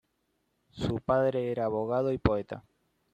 Su padre era abogado y poeta.